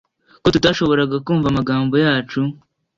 ko tutashoboraga kumva amagambo yacu